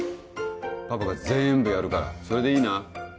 パパが全部やるからそれでいいな？